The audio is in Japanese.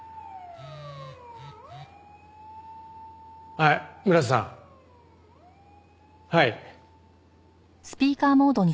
はい村瀬さん。はい。